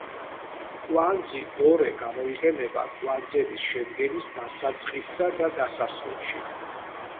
კვანძი დორე გამოიყენება კვანძების შედგენის დასაწყისსა და დასასრულში.